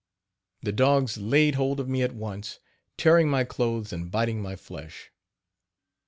The dogs laid hold of me at once, tearing my clothes and biting my flesh.